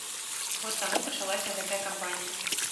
Год таму пачалася гэтая кампанія.